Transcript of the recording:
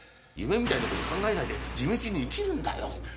夢みたいなこと考えないで地道に生きるんだよ。